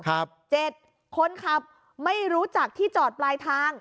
เจ็ดคนขับไม่รู้จักที่จอดปลายทาง